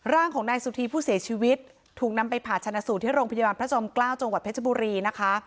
ร่างของนายสุธีผู้เสียชีวิตถูกนำไปผ่าชนะสูตรที่โรงพยาบาลพระจอมเกล้าจังหวัดเพชรบุรีนะคะ